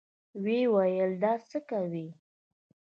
ويې ويل دا څه کوې.